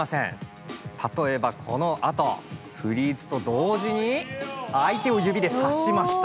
例えばこのあとフリーズと同時に相手を指でさしました。